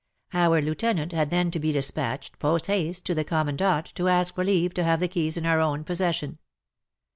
Our lieutenant had then to be dispatched, post haste, to the Commandant to ask for leave to have the keys in our own possession.